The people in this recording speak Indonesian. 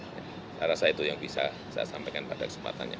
saya rasa itu yang bisa saya sampaikan pada kesempatannya